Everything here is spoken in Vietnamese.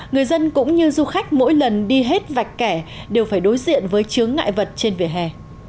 người dân cũng như du khách mỗi lần đi hết vạch kẻ đều phải đối diện với chướng ngại vật trên vỉa hè